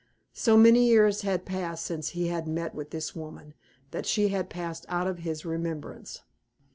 So many years had passed since he had met with this woman, that she had passed out of his remembrance.